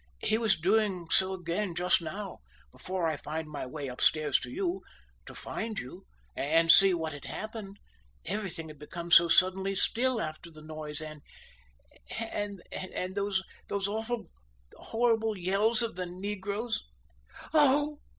He was doing so again just now, before I found my way upstairs to you, to find you, and to see what had happened, everything had become so suddenly still after all the noise, and and those awful horrible yells of the negroes oh!